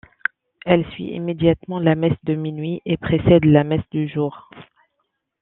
Elle suit immédiatement la Messe de minuit et précède la Messe du Jour.